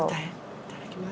いただきます。